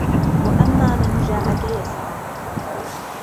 وَأَمَّا مَنْ جَاءَكَ يَسْعَى